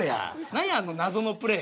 何やあのなぞのプレー。